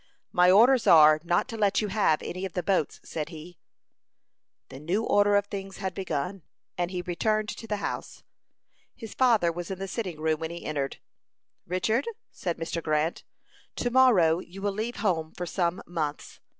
"My orders are, not to let you have any of the boats," said he. The new order of things had begun, and he returned to the house. His father was in the sitting room when he entered. "Richard," said Mr. Grant, "to morrow you will leave home for some months.